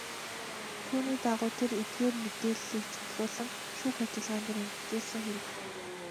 Түүний дагуу тэр эдгээр мэдээллийг цуглуулан шүүх ажиллагаан дээр үзүүлсэн хэрэг.